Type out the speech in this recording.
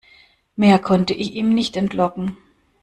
Mehr konnte ich ihm nicht entlocken.